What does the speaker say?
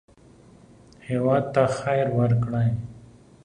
هېواد ته خیر ورکړئ